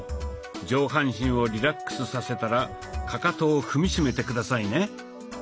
上半身をリラックスさせたらかかとを踏みしめて下さいね。